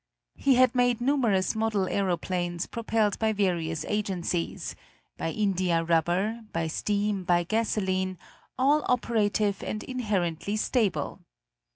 He had made numerous model aeroplanes propelled by various agencies by India rubber, by steam, by gasoline all operative and inherently stable.